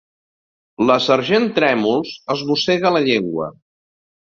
La sergent Trèmols es mossega la llengua.